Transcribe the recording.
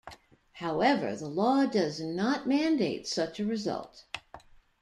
However, the law does not mandate such a result.